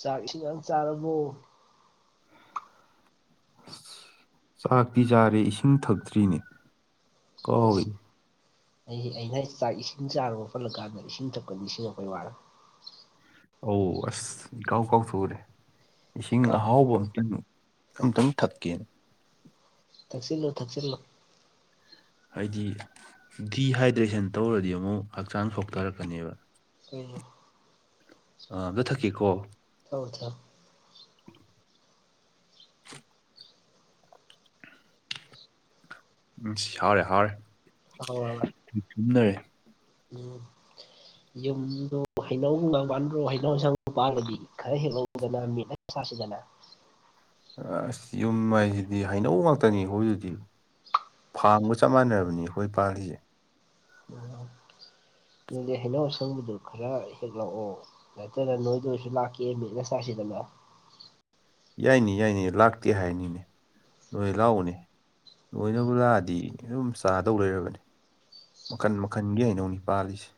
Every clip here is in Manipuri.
ꯆꯥꯛ ꯏꯁꯤ ꯌꯥꯝ ꯆꯥꯔꯕꯣ ꯆꯥꯛꯇꯤ ꯆꯥꯔꯦ ꯏꯁꯤꯡ ꯊꯛꯇ꯭ꯔꯤꯅꯦ ꯀꯥꯎꯏꯅꯦ [unintelligible] ꯑꯩ ꯑꯩꯅꯥ ꯆꯥꯛ ꯏꯁꯤꯡ ꯆꯥꯔꯨꯕ ꯄꯠꯂꯀꯥꯟꯗ ꯏꯁꯤꯡ ꯊꯛꯄ ꯅꯤꯡꯁꯤꯡꯉꯪꯄꯩ ꯋꯥꯔꯣ ꯑꯧ ꯑꯁ ꯏꯀꯥꯎ ꯀꯥꯎꯊꯨꯔꯦ ꯏꯁꯤꯡ ꯑꯍꯥꯎꯕ ꯑꯝꯇꯪ ꯑꯝꯇꯪ ꯊꯛꯀꯦꯅ ꯊꯛꯆꯤꯜꯂꯣ ꯊꯛꯆꯤꯜꯂꯣ ꯍꯥꯏꯗꯤ ꯗꯤꯍꯥꯏꯗ꯭ꯔꯦꯁꯟ ꯇꯧꯔꯗꯤ ꯑꯃꯨꯛ ꯍꯛꯆꯥꯡ ꯁꯣꯛꯊꯔꯛꯀꯅꯦꯕ ꯎꯝ ꯑꯥ ꯑꯃꯇ ꯊꯛꯀꯦꯀꯣ ꯊꯛꯑꯣ ꯊꯛꯑꯣ [inaudible] [unintelligible] ꯍꯥꯥꯎꯔꯦ ꯍꯥꯎꯔꯦ ꯍꯥꯎꯔꯕꯔ‌ꯥ ꯑꯗꯨꯝ ꯂꯩꯔꯤ ꯎꯝ ꯌꯨꯝꯗꯣ ꯍꯩꯅꯧ ꯒꯨꯝꯒꯥꯡ ꯄꯗ꯭ꯔꯣ ꯍꯩꯅꯧ ꯑꯁꯥꯡ ꯄꯥꯜꯂꯗꯤ ꯈꯔ ꯍꯦꯛꯂꯛꯎꯗꯅ ꯃꯦꯠꯂ ꯆꯥꯁꯤꯗꯅ ꯑꯥꯁ ꯌꯨꯝ ꯍꯥꯏꯁꯤꯗꯤ ꯍꯩꯅꯧ ꯉꯥꯛꯇꯅꯤ ꯑꯩꯈꯣꯏꯗꯨꯗꯤ ꯐꯥꯝꯒ ꯆꯞ ꯃꯥꯟꯅꯔꯕꯅꯤ ꯑꯩꯈꯣꯏ ꯄꯥꯜꯂꯤꯁꯤ ꯎꯝ ꯅꯪꯗꯤ ꯍꯩꯅꯧ ꯑꯁꯪꯕꯗꯨ ꯈꯔ ꯍꯦꯛꯂꯛꯑꯣ ꯅꯠꯇ ꯅꯣꯏꯗ ꯑꯣꯏꯁꯨ ꯂꯥꯛꯀꯦ ꯃ‌ꯦꯠꯂ ꯆꯥꯁꯤꯗꯅ ꯌꯥꯏꯅ‌ꯦ ꯌꯥꯏꯅ‌ꯦ ꯂꯥꯛꯇꯦ ꯍꯥꯏꯅꯤꯅꯦ ꯅꯣꯏ ꯂꯥꯛꯎꯅꯦ ꯂꯣꯏꯅꯕꯨ ꯂꯥꯛꯑꯗꯤ ꯑꯗꯨꯝ ꯆꯥꯗꯧ ꯂꯩꯔꯕꯅꯦ ꯃꯈꯟ ꯃꯈꯟꯒꯤ ꯍꯩꯅꯧꯅꯤ ꯄꯥꯜꯂꯤꯁꯤ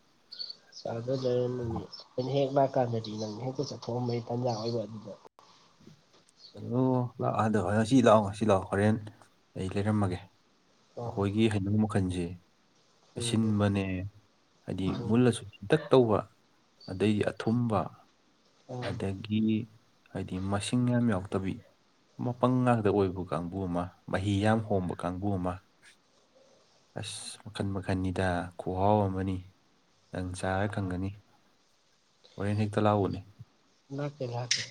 [unintelligible] ꯑꯩꯅ ꯍꯦꯛ ꯂꯥꯛꯀꯥꯟꯗꯗꯤ ꯅꯪ ꯍꯦꯛꯇ ꯆꯠꯊꯣꯛꯑꯝꯕꯩ ꯇꯥꯟꯖꯥ ꯑꯣꯏꯕ ꯑꯗꯨꯗ ꯍꯜꯂꯣ ꯂꯥꯛ ꯑꯗꯣ [unintelligible] ꯉꯁꯤ ꯂꯥꯛꯑꯣ ꯉꯁꯤ ꯂꯥꯛꯑꯣ ꯍꯣꯔꯦꯟ ꯑꯩ ꯂꯩꯔꯝꯃꯒꯦ ꯑꯣ ꯑꯩꯈꯣꯏꯒꯤ ꯍꯩꯅꯧ ꯃꯈꯜꯁꯦ ꯑꯁꯤꯟꯕꯅꯦ ꯍꯥꯏꯗꯤ ꯎꯝ ꯃꯨꯜꯂꯁꯨ ꯄꯤꯛꯇꯛ ꯇꯧꯕ ꯑꯗꯩ ꯑꯊꯨꯝꯕ ꯎꯝ ꯑꯗꯒꯤ ꯍꯥꯏꯗꯤ ꯃꯁꯤꯡ ꯌꯥꯝ ꯌꯥꯎꯇꯕꯤ ꯃꯄꯪ ꯉꯥꯛꯇ ꯑꯣꯏꯕ ꯀꯥꯡꯕꯨ ꯑꯃ ꯃꯍꯤ ꯌꯥꯝ ꯍꯣꯝꯕ ꯀꯥꯡꯕꯨ ꯑꯃ ꯑꯁ ꯃꯈꯟ ꯃꯈꯟꯅꯤꯗ ꯈꯨꯍꯥꯎ ꯑꯃꯅꯤ ꯅꯪ ꯆꯥꯔ ꯈꯪꯒꯅꯤ ꯍꯣꯔꯦꯟ ꯍꯦꯛꯇ ꯂꯥꯛꯎꯅꯦ ꯂꯥꯛꯀꯦ ꯂꯥꯛꯀꯦ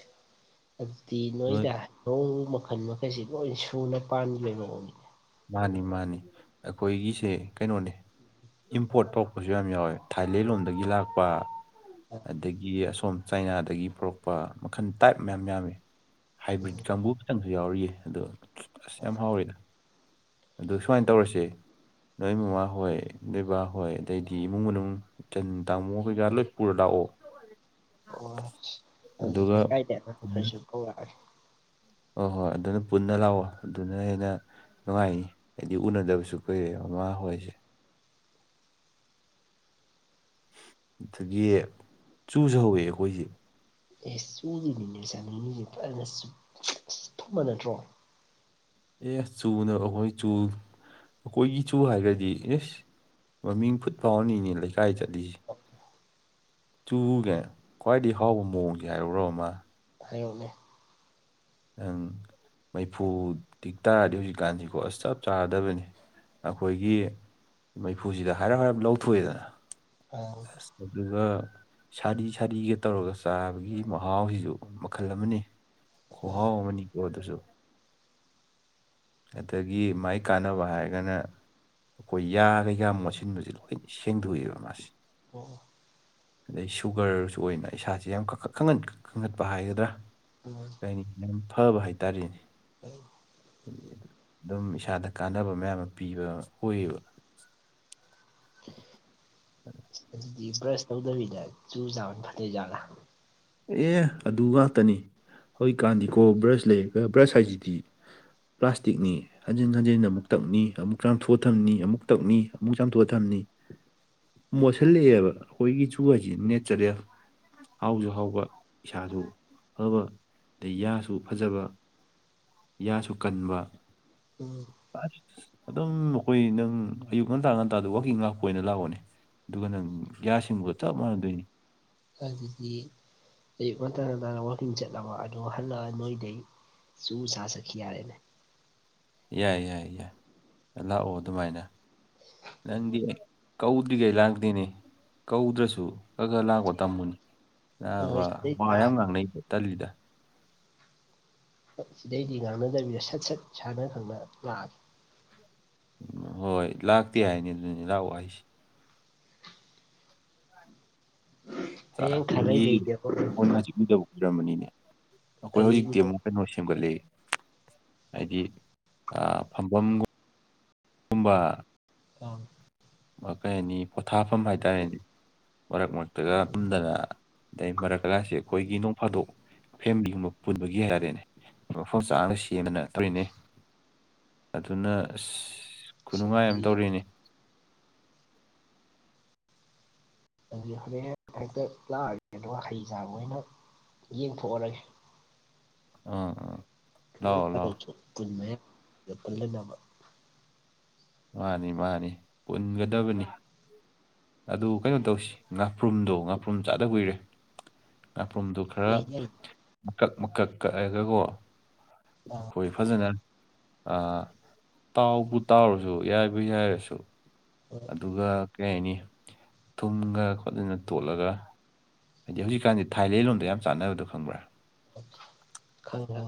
ꯑꯗꯨꯗꯤ ꯅꯣꯏ ꯅꯣꯏꯗ ꯂꯣꯡ ꯃꯈꯜ ꯃꯈꯩꯁꯤ ꯂꯣꯏ ꯁꯨꯅ ꯄꯥꯟꯕꯒꯤ ꯃꯑꯣꯡꯅꯤ ꯃꯥꯅꯤ ꯃꯥꯅꯤ ꯑꯈꯣꯏꯒꯤꯁꯦ ꯀꯩꯅꯣꯅꯦ ꯏꯝꯄꯣꯔꯠ ꯇꯧꯔꯛꯄꯁꯨ ꯌꯥꯝ ꯌꯥꯎꯋꯦ ꯊꯥꯏꯂꯦꯟ ꯂꯣꯝꯗꯒꯤ ꯂꯥꯛꯄ ꯑꯁ ꯑꯗꯒꯤ ꯑꯁꯣꯝ ꯆꯥꯏꯅꯥꯗꯒꯤ ꯄꯨꯔꯛꯄ ꯃꯈꯜ ꯇꯥꯏꯞ ꯃꯌꯥꯝ ꯌꯥꯝꯃꯤ ꯍꯥꯏꯕ꯭ꯔꯤꯠ ꯀꯥꯡꯕꯨ ꯈꯤꯇꯪꯁꯨ ꯌꯥꯎꯔꯤꯌꯦ ꯑꯗꯣ ꯑꯥꯁ ꯌꯥꯝ ꯍꯥꯎꯋꯤꯗ ꯑꯗꯨ ꯁꯨꯃꯥꯏꯟ ꯇꯧꯔꯁꯦ ꯅꯣꯏ ꯃꯃꯥ ꯍꯣꯏ ꯅꯣꯏ ꯕꯥ ꯍꯣꯏ ꯑꯗꯩꯗꯤ ꯏꯃꯨꯡ ꯃꯅꯨꯡ ꯆꯟ ꯇꯃꯣ ꯀꯩꯀ ꯂꯣꯏꯄꯨꯔ ꯂꯥꯛꯑꯣ ꯑꯣ ꯑꯗꯨ ꯑꯗꯨꯒ ꯀꯩꯀꯥꯏꯗꯦ [unintelligible] ꯈꯔꯁꯨꯝ ꯀꯧꯔꯛꯑꯒꯦ ꯍꯣꯏ ꯍꯣꯏ ꯑꯗꯨꯅ ꯄꯨꯟꯅ ꯂꯥꯛꯑꯣ ꯑꯗꯨꯅ ꯍꯦꯟꯅ ꯅꯨꯡꯉꯥꯏꯅꯤ ꯍꯥꯏꯗꯤ ꯎꯅꯗꯕꯁꯨ ꯀꯨꯏꯔꯦꯕ ꯑꯃꯥ ꯍꯣꯏꯁꯤ ꯑꯗꯒꯤ ꯆꯨꯁꯨ ꯍꯧꯋ‌ꯦ ꯑꯩꯈꯣꯏꯁꯤ ꯑꯦ ꯆꯨꯅꯤꯅꯦ ꯆꯥꯅꯤꯡ ꯏꯅꯦ ꯐꯖꯅ ꯆ ꯑꯁ ꯊꯨꯝꯕ ꯅꯠꯇ꯭ꯔꯣ ꯑꯦꯁ ꯆꯨꯅ ꯑꯈꯣꯏ ꯆꯨ ꯑꯩꯈꯣꯏꯒꯤ ꯆꯨ ꯍꯥꯏꯒ꯭ꯔꯗꯤ ꯑꯁ ꯃꯃꯤꯡ ꯐꯨꯠ ꯐꯥꯎꯅꯤꯅꯦ ꯂꯩꯀꯥꯏꯗꯗꯤ [inaudible] ꯆꯨꯒ ꯈ꯭ꯋꯥꯏꯗꯩ ꯍꯥꯎꯕ ꯃꯑꯣꯡꯁꯦ ꯍꯥꯏꯔꯨꯔꯣ ꯑꯃ ꯍꯥꯏꯌꯨꯅꯦ ꯑꯪ ꯃꯩꯐꯨ ꯇꯤꯛ ꯇꯥꯔꯗꯤ ꯍꯧꯖꯤꯛꯀꯥꯟꯁꯤꯀꯣ ꯑꯁ ꯆꯞ ꯆꯥꯔꯗꯕꯅꯤ ꯑꯈꯣꯏꯒꯤ ꯃꯩꯐꯨꯁꯤꯗ ꯍꯥꯏꯔꯞ ꯍꯥꯏꯔꯞ ꯂꯧꯊꯣꯛꯑꯦꯗꯅ ꯑ ꯑꯁ ꯑꯗꯨꯒ ꯁꯥꯔꯤ ꯁꯥꯔꯤꯒ ꯇꯧꯔꯒ ꯆꯥꯕꯒꯤ ꯃꯍꯥꯎꯁꯤꯁꯨ ꯃꯈꯜ ꯑꯃꯅꯤ ꯑꯣ ꯈꯨꯍꯥꯎ ꯑꯃꯅꯤꯀꯣ ꯑꯗꯨꯁꯨ ꯑꯗꯒꯤ ꯃꯥꯏ ꯀꯥꯟꯅꯕ ꯍꯥꯏꯔꯒꯅ ꯑꯈꯣꯏ ꯌꯥꯒ ꯌꯥꯝ ꯃꯣꯠꯁꯤꯟꯕꯁꯦ ꯂꯣꯏꯅ ꯁꯦꯡꯗꯣꯛ ꯑꯦꯕ ꯃꯥꯁꯦ ꯑꯣ ꯑꯗꯩ ꯁꯨꯒꯔꯁꯨ ꯑꯣꯏꯅ ꯏꯁꯥꯥꯁꯦ ꯌꯥꯝ ꯀꯅꯈꯠ ꯈꯪ ꯀꯟ ꯀꯟꯈꯠꯄ ꯍꯥꯏꯒꯗ꯭ꯔꯥ ꯑꯣ ꯂꯥꯏꯅꯤꯡ ꯌꯥꯝ ꯐꯕ ꯍꯥꯏꯇꯥꯔꯦꯅꯦ ꯑꯣ ꯗꯨꯝ ꯏꯁꯥꯗ ꯀꯥꯟꯅꯕ ꯃꯌꯥꯝ ꯑꯃ ꯄꯤꯕ ꯑꯣꯏꯌꯦꯕ ꯑꯗꯨꯗꯤ ꯕ꯭ꯔꯁ ꯇꯧꯗꯕꯤꯗ ꯆꯨ ꯆꯥꯕꯅ ꯐꯗꯨꯏ ꯖꯥꯠꯂ ꯑꯦ ꯑꯗꯨ ꯉꯥꯛꯇꯅꯤ ꯍꯧꯖꯤꯛ ꯀꯥꯟꯗꯤꯀꯣ ꯕ꯭ꯔꯁ ꯂꯩꯔꯒ ꯕ꯭ꯔꯁ ꯍꯥꯏꯁꯤꯗꯤ ꯄ꯭ꯂꯥꯁꯇꯤꯛꯅꯦ ꯍꯟꯖꯤꯟ ꯍꯟꯖꯤꯟꯅ ꯑꯃꯨꯛ ꯇꯛꯅꯤ ꯑꯃꯨꯛ ꯆꯥꯝꯊꯣꯛꯑ ꯊꯝꯅꯤ ꯑꯃꯨꯛ ꯇꯛꯅꯤ ꯑꯃꯨꯛ ꯆꯥꯝꯊꯣꯛꯑ ꯊꯝꯅꯤ ꯃꯣꯠꯁꯤꯜ ꯂꯛꯑꯦꯕ ꯑꯩꯈꯣꯏꯒꯤ ꯆꯨ ꯍꯥꯏꯁꯤꯗꯤ ꯅꯦꯆꯔꯦꯜ ꯍꯥꯎꯁꯨ ꯍꯥꯎ ꯋ ꯏꯁꯥꯁꯨ ꯐꯕ ꯑꯗꯩ ꯌꯥꯁꯨ ꯐꯖꯕ ꯌꯥꯁꯨ ꯀꯟꯕ ꯎꯝ ꯑꯁ ꯑꯗꯨꯝ ꯑꯈꯣꯏꯒꯤ ꯅꯪ ꯑꯌꯨꯛ ꯉꯟꯇꯥ ꯉꯟꯇꯥꯗ ꯋꯥꯀꯤꯡ ꯂꯥꯛꯄ ꯑꯣꯏꯅ ꯂꯥꯛꯑꯣꯅꯦ ꯑꯗꯨꯒ ꯅꯪ ꯌꯥꯁꯦꯡꯕꯒ ꯆꯞ ꯃꯥꯟꯅꯗꯣꯏꯅꯤ ꯑꯗꯨꯗꯤ ꯑꯌꯨꯛ ꯉꯟꯇꯥ ꯉꯟꯇꯥꯅ ꯋꯥꯀꯤꯡ ꯆꯠꯂꯕ ꯑꯗꯨꯒ ꯍꯜꯂꯛꯑ ꯅꯣꯏꯗꯩ ꯆꯨ ꯆꯥ ꯆꯠꯈꯤ ꯌꯥꯔꯦꯅꯦ ꯌꯥꯏ ꯌꯥꯏ ꯌꯥꯏ ꯂꯥꯛꯑꯣ ꯑꯗꯨꯃꯥꯏꯅ ꯅꯪꯗꯤ ꯀꯧꯗ꯭ꯔꯤꯒꯩ ꯂꯥꯡꯇꯦꯅꯦ ꯀꯧꯗ꯭ꯔꯁꯨ ꯈ ꯈꯔ ꯂꯥꯛꯄ ꯇꯝꯃꯨꯅꯦ ꯍꯣꯏ ꯅꯕꯥ ꯍꯣꯏ ꯁꯤꯗꯩ ꯋꯥ ꯌꯥꯝ ꯆꯥꯔꯒꯦ ꯉꯥꯡꯅꯩ ꯇꯜꯂꯤꯗ ꯁꯤꯗꯩꯗꯤ ꯉꯥꯡꯅꯗꯕꯤꯗ ꯁꯠ ꯁꯠ ꯏꯁꯥꯅ ꯈꯪꯅ ꯂꯥꯛꯑꯒꯦ ꯍꯣꯏ ꯂꯥꯛꯇꯦ ꯍꯥꯏꯅꯤ ꯑꯗꯨꯅꯤ ꯂꯥꯛꯑꯣ ꯍꯥꯢꯁꯤ ꯍꯌꯦꯡ ꯈꯥꯡꯉꯩ ꯒꯦ ꯂꯩꯒꯦꯕ ꯍꯧꯖꯤꯛ ꯎꯨꯗꯕ ꯀꯏꯔꯝꯕꯅꯤ [inaudible] ꯅꯦ ꯑꯩꯈꯣꯏ ꯀꯔꯤ ꯍꯧꯖꯤꯛꯇꯤ ꯑꯃꯨꯛ ꯀꯩꯅꯣ ꯁꯦꯝꯒꯠꯂꯦ ꯍꯥꯏꯗꯤ ꯐꯝꯐꯝꯒꯨꯝꯕ ꯀꯨꯝꯕ ꯑꯣꯣꯡ [inaudible] ꯑꯃ ꯀꯩ ꯍꯥꯏꯅꯤ ꯄꯣꯊꯥꯐꯝ ꯍꯥꯏꯇꯥꯔꯦꯅꯦ ꯃꯔꯛ ꯃꯔꯛꯇꯒ ꯐꯝꯗꯅ ꯗꯩ ꯃꯔꯛ ꯀꯀꯥꯏꯁꯦ ꯑꯈꯣꯏꯒꯤ ꯅꯣꯡ ꯐꯥꯗꯣꯛ ꯐꯦꯃꯤꯂꯤ ꯃꯨ ꯄꯨꯟꯕꯒꯤ ꯍꯥꯏꯔꯦꯅꯦ ꯃꯐꯝ ꯆꯥꯗ ꯁꯦꯝꯗꯅ ꯇꯧꯔꯤꯅꯦ ꯑꯗꯨꯅ ꯑꯁ ꯈꯨꯅꯨꯡꯉꯥꯏ ꯑꯃ ꯁꯤꯗꯤ ꯇꯧꯔꯦꯅꯦ ꯑꯗꯨꯗꯤ ꯍꯣꯔꯦꯟ ꯍꯦꯛ ꯍꯦꯛꯇ ꯂꯥꯛꯑꯒꯦ ꯑꯗꯨꯒ ꯍꯩ ꯆꯥꯕ ꯑꯣꯏꯅ ꯌꯦꯡꯊꯣꯛ ꯑꯔꯒꯦ ꯑ ꯅꯣꯡ ꯐꯥꯗꯣꯛꯁꯨ ꯄꯨꯟꯅꯥ ꯍꯦꯛ ꯄꯨꯟ ꯃꯤꯟꯅꯕ ꯃꯥꯅꯤ ꯃꯥꯅꯤ ꯄꯨꯟꯒꯗꯕꯅꯤ ꯑꯗꯨ ꯀꯩꯅꯣ ꯇꯧꯁꯤ ꯉꯥꯄ꯭ꯔꯨꯝꯗꯣ ꯉꯥꯄ꯭ꯔꯨꯝ ꯆꯥꯗ ꯀꯨꯏꯔꯦ ꯉꯥꯄ꯭ꯔꯨꯝꯗꯨ ꯈꯔ ꯑꯦ ꯌꯥꯏ ꯃꯀꯛ ꯃꯀꯛ ꯀꯛ ꯑꯒꯀꯣ ꯑꯥ ꯍꯣꯏ ꯐꯖꯅ ꯇꯥꯎꯕꯨ ꯇꯥꯎꯔꯁꯨ ꯋꯥꯏꯕꯨ ꯌꯥꯏꯔꯁꯨ ꯍꯣꯏ ꯑꯗꯨꯒ ꯀꯔꯤ ꯍꯥꯏꯅꯤ ꯊꯨꯝꯒ ꯈꯣꯠꯇꯅ ꯇꯣꯠꯂꯒ ꯍꯥꯏꯗꯤ ꯍꯧꯖꯤꯛꯀꯥꯟꯗꯤ ꯊꯥꯏꯂꯦꯟ ꯂꯣꯝꯗ ꯌꯥꯝ ꯆꯥꯟꯅꯕꯗꯣ ꯈꯪꯕ꯭ꯔꯥ ꯈꯪꯉꯦ ꯈꯪꯉꯦ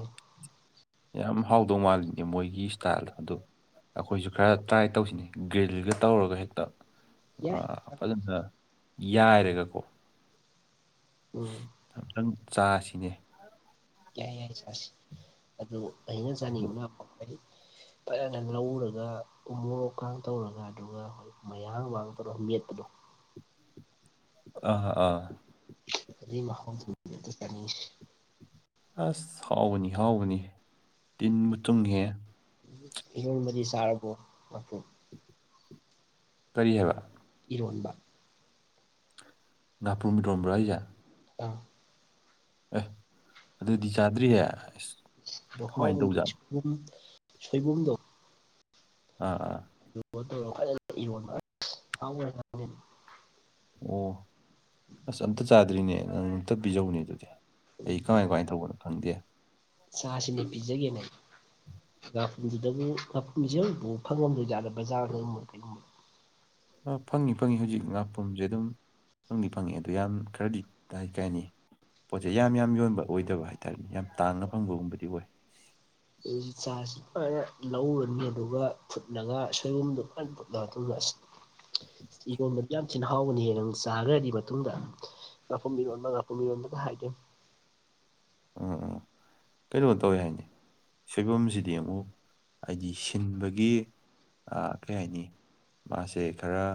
ꯌꯥꯝ ꯍꯥꯎꯗꯧ ꯃꯥꯜꯂꯤꯅꯦ ꯃꯣꯏꯒꯤ ꯏꯁꯇꯥꯏꯜꯗꯣ ꯑꯗꯨ ꯑꯩꯈꯣꯏꯁꯨ ꯈꯔ ꯇ꯭ꯔꯥꯏ ꯇꯧꯁꯤꯅꯦ ꯒ꯭ꯔꯤꯜꯒ ꯇꯧꯔꯒ ꯍꯦꯛꯇ ꯌꯥꯢ ꯐꯖꯅ ꯌꯥꯏꯔꯒꯀꯣ ꯎꯝ ꯑꯝꯇꯪ ꯆꯥꯁꯤꯅꯦ ꯌꯥꯏ ꯌꯥꯏ ꯆꯥꯁꯤ ꯑꯗꯨ ꯑꯩꯅ ꯆꯥꯅꯤꯡꯕ ꯀꯣ ꯍꯥꯏꯗꯤ ꯐꯖꯅ ꯂꯧꯔꯒ ꯎꯣꯔꯣꯛꯀ ꯇꯧꯔꯒ ꯑꯗꯨꯒ ꯍꯣꯏ ꯃꯌꯥꯥꯡꯕꯥꯒ ꯇꯧꯔꯒ ꯃꯦꯠꯄꯗꯣ ꯑꯥ ꯑꯥ ꯗꯨꯢ ꯃꯍꯥꯎꯗꯨꯅꯦ ꯑꯝꯇ ꯆꯥꯅꯤꯡꯢꯁꯦ ꯑꯁ ꯍꯥꯎꯕꯅꯤ ꯍꯥꯎꯕꯅꯤ ꯇꯤꯟꯕꯨ ꯆꯨꯝꯃꯦ ꯢꯔꯣꯟꯕꯗꯤ ꯆꯥꯔꯕꯣ ꯃ ꯀꯔꯤ ꯍꯥꯏꯕ ꯏꯔꯣꯟꯕ ꯉꯥꯄꯨꯨꯔꯝ ꯢꯔꯣꯟꯕ꯭ꯔꯣ ꯍꯥꯢꯁꯦ ꯑꯥ ꯑꯦ ꯑꯗꯨꯗꯤ ꯆꯥꯗ꯭ꯔꯤꯌꯦ ꯑꯁ ꯀꯃꯥꯏꯅ ꯍꯥꯎꯕꯣ ꯁꯣꯢ ꯇꯧꯖꯥꯠꯅꯣ ꯁꯣꯏꯕꯨꯝ ꯁꯣꯏꯕꯨꯝꯗꯣ ꯑꯥ ꯑꯥ ꯑꯗꯨꯒ ꯇꯧꯔ ꯐꯖꯅ ꯏꯔꯣꯕ ꯑꯁ ꯍꯥꯎꯒ꯭ꯔꯖꯠꯅꯤ ꯑꯣ ꯑꯁ ꯑꯝꯇ ꯆꯥꯗ꯭ꯔꯤꯅꯦ ꯅꯪ ꯑꯝꯇ ꯄꯤꯖꯧꯅꯦ ꯑꯗꯨꯗꯤ ꯑꯩ ꯀꯃꯥꯏ ꯀꯃꯥꯏꯅ ꯇꯧꯕꯅꯣ ꯈꯪꯗꯦ ꯆꯥꯁꯤꯅꯦ ꯄꯤꯖꯒꯦꯅꯦ ꯉꯥꯈꯨꯝꯗꯨꯗꯕꯨ [inaudible] ꯉꯥꯈꯨꯝꯁꯦ ꯑꯃꯛꯕꯨ ꯐꯪꯉꯝꯗꯣꯏꯖꯥꯗ ꯕꯖꯥꯔꯒꯨꯝꯃꯣꯏ ꯀꯩꯒꯨꯝꯕ ꯐꯪꯉꯤ ꯐꯪꯉꯤ ꯍꯧꯖꯤꯛ ꯉꯥꯛꯄꯨꯔꯝꯁꯦ ꯑꯗꯨꯝ ꯐꯪꯗꯤ ꯐꯪꯉꯦ ꯑꯗꯣ ꯌꯥꯝ ꯈꯔꯗꯤ ꯀꯥꯏ ꯀꯥꯏꯅꯤ ꯄꯣꯠꯁꯦ ꯌꯥꯝ ꯌꯥꯝ ꯌꯣꯟꯕ ꯑꯣꯏꯗꯕ ꯍꯥꯏꯇꯥꯔꯅꯦ ꯌꯥꯝ ꯇꯥꯡꯅ ꯐꯪꯕꯒꯨꯝꯕꯗꯤ ꯑꯣꯏ ꯑꯗꯨ ꯆꯥꯁꯤ ꯂꯣꯏꯅ ꯂꯧꯔꯅꯤ ꯑꯗꯨꯒ ꯐꯨꯠꯂꯒ ꯁꯣꯏꯕꯨꯝꯗꯨ ꯐꯥꯟ ꯐꯨꯠꯂ ꯃꯇꯨꯡꯗ [unintelligible] ꯢꯔꯣꯟꯕꯗꯤ ꯌꯥꯝ ꯊꯤꯅ ꯍꯥꯎꯕꯅꯤꯍꯦ ꯅꯪ ꯆꯥꯈ꯭ꯔꯗꯤ ꯃꯇꯨꯡꯗ ꯉꯄꯨꯔꯝ ꯢꯔꯣꯟꯗ ꯉꯄꯨꯔꯝ ꯢꯔꯣꯟꯗ ꯍꯥꯏꯗꯣꯢꯅꯦ ꯎꯝ ꯎꯝ ꯀꯩꯅꯣ ꯇꯧꯋꯦ ꯍꯥꯏꯅꯦ ꯁꯣꯏꯕꯨꯝꯁꯤꯗꯤ ꯑꯃꯨꯛ ꯍꯥꯏꯗꯤ ꯁꯤꯟꯕꯒꯤ ꯑꯥ ꯀꯩ ꯍꯥꯏꯅꯤ ꯃꯥꯁꯦ ꯈꯔ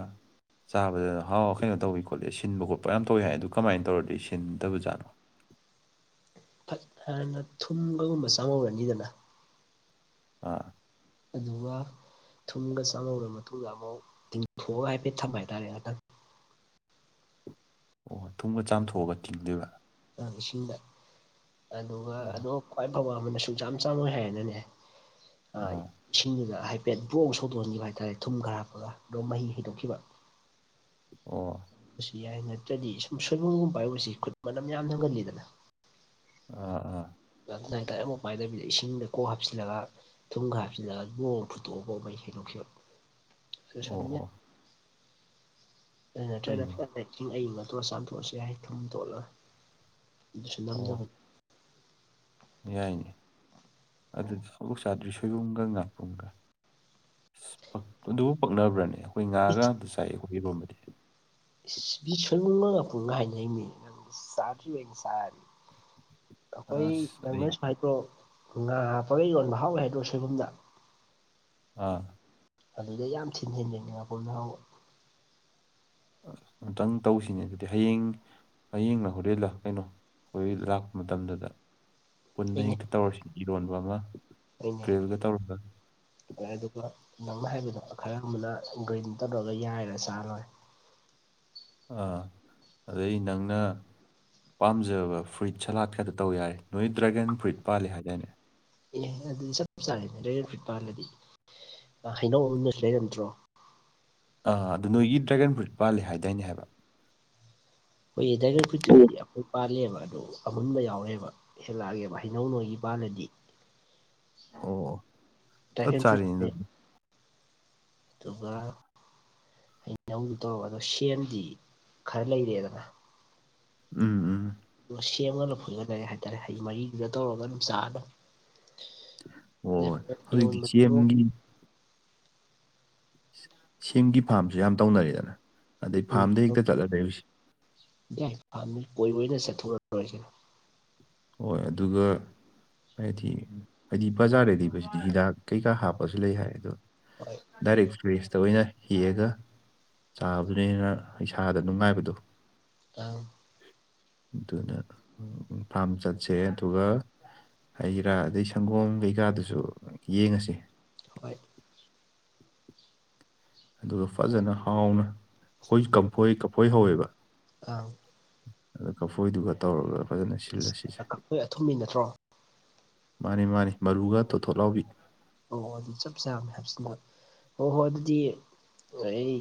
ꯆꯥꯕꯗꯅ ꯍꯥꯎ ꯀꯩꯅꯣ ꯇꯧꯋꯤ ꯈꯣꯠꯂꯤ ꯁꯤꯟꯕ ꯈꯣꯠꯄ ꯌꯥꯝ ꯇꯧꯋꯤ ꯍꯥꯏ ꯑꯗꯨ ꯀꯃꯥꯏꯅ ꯇꯧꯔꯗꯤ ꯁꯤꯟꯗꯕꯖꯥꯠꯅꯣ ꯐꯠ ꯍꯥꯟꯅ ꯊꯨꯝꯒꯒꯨꯝꯕ ꯆꯥꯝꯍꯧꯔꯅꯤꯗꯅ ꯑꯥ ꯑꯗꯨꯒ ꯊꯨꯝꯒ ꯆꯪꯍꯧꯔ ꯃꯇꯨꯡꯗ ꯑꯃꯨꯛ ꯇꯤꯡꯗꯣꯛꯊꯣꯛꯑꯒ ꯍꯥꯏꯐꯦꯠ ꯊꯝꯕ ꯍꯥꯏꯇꯥꯔꯦ ꯍꯟꯗꯛ ꯑꯣ ꯊꯨꯝꯒ ꯆꯥꯝꯊꯣꯛꯑꯒ ꯇꯤꯡꯗꯣꯏꯕꯥ ꯑ ꯏꯁꯤꯡꯗ ꯑꯗꯨꯒ ꯑꯣ ꯑꯗꯣ ꯈ꯭ꯋꯥꯏ ꯐꯕ ꯑꯃꯅ ꯁꯨꯡꯆꯥꯝ ꯆꯥꯝꯃꯣꯏ ꯍꯥꯏꯔꯅꯅꯦ ꯑ ꯑꯥ ꯏꯁꯤꯡꯗꯨꯅ ꯍꯥꯏ ꯄꯦꯠ ꯕ꯭ꯔꯣꯛ ꯁꯧꯗꯣꯛꯍꯟꯈꯤꯕ ꯍꯥꯏꯇꯥꯔꯦ ꯊꯨꯝ ꯈꯔ ꯍꯥꯞꯄꯒ ꯑꯗꯨꯒ ꯃꯍꯤ ꯍꯩꯗꯣꯛꯈꯤꯕ ꯑꯣ ꯑꯁ ꯌꯥꯏ ꯅꯠꯇ꯭ꯔꯗꯤ ꯁꯨꯝ ꯁꯣꯏꯕꯨꯝꯒꯨꯝ ꯄꯥꯏꯕꯁꯤ ꯈꯨꯠ ꯃꯅꯝ ꯌꯥꯝ ꯅꯝꯒꯜꯂꯤꯗꯅ꯫ ꯑꯥ ꯑꯥ ꯅꯥꯏꯇ ꯑꯃ ꯄꯥꯏꯗꯕꯤꯗ ꯏꯁꯤꯡꯗ ꯀꯣꯛ ꯍꯥꯞꯆꯤꯜꯂꯒ꯫ ꯊꯨꯝꯒ ꯍꯥꯞꯕꯁꯤꯜꯂ ꯂꯣꯡ ꯐꯨꯠꯇꯣꯛꯎ ꯃꯍꯤ ꯍꯩꯗꯣꯛꯈꯤꯕ ꯑꯗꯨꯁꯨ ꯑꯣ ꯑꯗꯨꯝ ꯌꯥꯏ ꯑꯣ ꯑꯗꯨ ꯅꯠꯇ꯭ꯔꯒꯅ ꯍꯣꯏꯅꯦ ꯐꯖꯇꯤꯡ ꯑꯌꯤꯡꯕ ꯑꯗꯨꯗ ꯆꯥꯝꯊꯣꯛꯑꯁꯨ ꯌꯥꯏ ꯊꯨꯝ ꯇꯣꯠꯂꯒ ꯁꯨ ꯅꯝꯗꯕꯅꯤ ꯌꯥꯏꯅꯤ ꯑꯗꯨꯗꯤ ꯑꯃꯨꯛ ꯆꯥꯗ꯭ꯔꯤ ꯁꯣꯏꯕꯨꯝꯒ ꯉꯥꯛꯄꯨꯝꯒ ꯑꯗꯨꯕꯨ ꯄꯛꯅꯕ꯭ꯔꯅꯦ ꯑꯩꯈꯣꯏ ꯉꯥꯒ ꯉꯥꯛꯇ ꯆꯥꯏꯑ ꯑꯩꯈꯣꯏꯔꯣꯝꯕꯗꯤ ꯕꯤꯁꯅꯂꯅꯨꯡ ꯄꯨꯡꯅ ꯍꯥꯏꯅꯩꯃꯤ ꯅꯪ ꯆꯗ꯭ꯔꯤꯌꯦ ꯁꯆꯥꯔꯗꯤ ꯑꯩꯈꯣꯏ ꯑꯁ ꯑꯩ ꯅꯪꯅꯁꯨ ꯍꯥꯏꯗ꯭ꯔꯣ ꯉꯥ ꯍꯥꯄ ꯌꯣꯟꯕ ꯍꯥꯎꯋꯏ ꯍꯥꯏꯗ꯭ꯔꯣ ꯁꯣꯏꯕꯨꯝꯗ꯫ ꯑꯥ ꯑꯗꯨꯗꯩ ꯌꯥꯝ ꯊꯤꯟ ꯍꯦꯟꯖꯤꯅꯤꯡꯉꯥꯄꯔꯨꯝꯅꯥ ꯍꯥꯎꯕ ꯑ ꯑꯃꯨꯇꯪ ꯇꯧꯁꯤꯅꯦ ꯑꯗꯨꯗꯤ ꯍꯌꯦꯡ ꯍꯌꯦꯡꯅ ꯍꯣꯔꯦꯟ ꯂꯥꯛ ꯀꯩꯅꯣ ꯍꯣꯔꯦꯟ ꯂꯥꯛꯄ ꯃꯇꯝꯗꯨꯗ ꯄꯨꯟꯅ ꯑꯩꯅꯦ ꯍꯦꯛꯇ ꯇꯧꯔꯁꯤ ꯏꯔꯣꯟꯕ ꯑꯃ ꯑꯩꯅꯦ ꯀꯔꯤꯜꯒ ꯇꯧꯔꯒ ꯑꯗꯨꯒ ꯅꯪꯅ ꯍꯥꯏꯕꯗꯣ ꯈꯔ ꯑꯃꯅ ꯒ꯭ꯔꯤꯟ ꯇꯧꯔꯒ ꯌꯥꯏꯔ ꯆꯥꯂꯣꯏ ꯑꯥ ꯑꯗꯩ ꯅꯪꯅ ꯄꯥꯝꯖꯕ ꯐ꯭ꯔꯨꯏꯠ ꯁꯂꯥꯠ ꯈꯛꯇ ꯇꯧ ꯌꯥꯔꯦ ꯅꯣꯏ ꯗ꯭ꯔꯥꯒꯟ ꯐ꯭ꯔꯨꯏꯠ ꯄꯥꯜꯂꯤꯦ ꯍꯥꯏꯗꯥꯏꯅꯦ꯫ ꯑꯦꯍꯦ ꯑꯗꯨꯗꯤ ꯆꯞ ꯆꯥꯔꯦꯅꯦ ꯗ꯭ꯔꯦꯒꯟ ꯐ꯭ꯔꯨꯏꯠ ꯄꯥꯥꯟꯜꯂꯗꯤ ꯍꯩꯅꯧ ꯑꯅꯁꯨ ꯂꯩꯔꯝꯗ꯭ꯔꯣ꯫ ꯑꯥ ꯑꯗꯣ ꯅꯣꯏꯒꯤ ꯗ꯭ꯔꯦꯒꯟ ꯐ꯭ꯔꯨꯏꯠ ꯄꯥꯜꯜꯂꯤ ꯍꯥꯏꯗꯥꯏꯅꯦ ꯍꯥꯏꯕ꯫ ꯍꯣꯏꯌꯦ ꯗ꯭ꯔꯥꯏꯒꯔ ꯑꯣ ꯐ꯭ꯔꯨꯏꯠꯇꯨꯗꯤ ꯑꯩꯈꯣꯏ ꯄꯥꯜꯂꯦꯕ ꯑꯗꯣ ꯑꯃꯨꯟꯕ ꯌꯥꯎꯋꯦꯕ ꯍꯦꯜꯂꯛꯑꯒꯦꯕ ꯍꯩꯅꯧ ꯅꯣꯏꯒꯤ ꯄꯥꯜꯂꯗꯤ꯫ ꯑꯣ ꯆꯞ ꯗ꯭ꯔꯒꯟ ꯆꯥꯔꯦꯅꯦ ꯐꯔꯨꯠꯅꯦ꯫ ꯑꯗꯨꯗꯤ ꯑꯗꯨꯒ ꯍꯩꯅꯧꯗꯣ ꯁꯦꯝꯗꯤ ꯈꯔ ꯂꯩꯔꯦꯗꯅ꯫ ꯎꯝ ꯎꯝ꯫ ꯁꯦꯝꯒ ꯂꯐꯣꯏꯒ ꯍꯥꯏꯇꯥꯔꯦ ꯍꯩ ꯃꯔꯤꯗꯨꯗ ꯇꯧꯔꯒ ꯑꯗꯨꯝ ꯆꯥꯔꯅ ꯍꯣꯏ ꯍꯧꯖꯤꯛꯇꯤ [unintelligible] ꯁꯦꯝꯒꯤ ꯁꯤꯡꯒꯤ ꯐꯥꯔꯝꯁꯨ ꯌꯥꯝ ꯇꯧꯅꯔꯦꯗꯅ ꯑꯗꯩ ꯐꯥꯔꯝꯗ ꯍꯦꯛꯇ ꯆꯠꯂ ꯂꯩꯔꯨꯁꯦ꯫ ꯌꯥꯏ ꯄꯥꯝꯃꯤ ꯀꯣꯏꯕꯣꯏꯅ ꯁꯥꯠꯊꯣꯔꯛꯇꯣꯏꯁꯤꯗꯤ ꯍꯣꯏ ꯑꯗꯨꯒ꯫ ꯍꯥꯏꯗꯤ ꯍꯥꯏꯗꯤ ꯕꯖꯥꯔꯗ ꯂꯩꯕꯁꯤꯗꯤ ꯍꯤꯗꯥꯛ ꯀꯩꯀꯥ ꯍꯥꯞꯄꯁꯨ ꯂꯩ ꯍꯥꯏ ꯑꯗꯣ ꯍꯣꯏ꯫ ꯗꯥꯏꯔꯦꯛ ꯐꯔꯦꯖ ꯇꯧꯑꯦꯅ ꯍꯦꯛꯑꯒ ꯆꯥꯕꯗꯨꯅ ꯍꯦꯟꯅ ꯏꯁꯥꯗ ꯅꯨꯡꯉꯥꯏꯕꯗꯣ꯫ [unintelligible] ꯑꯗꯨꯅ ꯐꯥꯔꯝ ꯆꯠꯁꯦ ꯑꯗꯨꯒ ꯍꯩꯔꯥ ꯑꯗꯩ ꯁꯪꯒꯣꯝ ꯀꯩꯀꯥꯗꯨꯁꯨ ꯌꯦꯡꯉꯁꯤ ꯍꯣꯏ ꯑꯗꯨꯒ ꯐꯖꯅ ꯍꯥꯎꯅ ꯑꯩꯈꯣꯏ ꯀꯝꯐꯣꯏ ꯀꯝꯐꯣꯏ ꯍꯧꯋꯦꯕ ꯑꯥꯎ ꯑꯗꯨ ꯀꯐꯣꯏꯗꯨꯒ ꯇꯧꯔꯒ ꯐꯖꯅ ꯁꯤꯜꯂ ꯁꯤꯁꯦ ꯀꯛꯐꯣꯏ ꯑꯊꯨꯝꯕꯤ ꯅꯠꯇ꯭ꯔꯣ ꯃꯥꯅꯦ ꯃꯥꯅꯦ ꯃꯔꯨꯒ ꯊꯣꯊꯣ ꯂꯥꯎꯕꯤ ꯑꯣ ꯑꯗꯨ ꯆꯞ ꯆꯥ ꯍꯥꯏꯕꯁꯤꯅ ꯑꯣ ꯍꯣꯏ ꯑꯗꯨꯗꯤ ꯑꯩ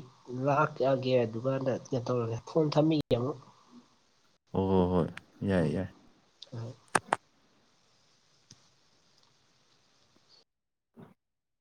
ꯂꯥꯛꯑꯒꯦ ꯑꯗꯨꯒꯀꯥꯟꯗ ꯀꯩꯅꯣ ꯇꯧꯔꯒꯦ ꯐꯣꯟ ꯊꯝꯕꯤꯒꯦ ꯑꯃꯨꯛ ꯍꯣꯏ ꯍꯣꯏ ꯍꯣꯏ꯫ ꯌꯥꯏ ꯌꯥꯏ ꯎꯝ ꯫ [unintelligible]